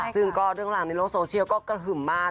ซึ่งก็ด้านหลังในโลกโซเชียลก็กระถึ่มมาก